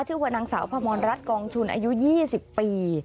ชื่อว่านางสาวพมรรัฐกองชุนอายุ๒๐ปี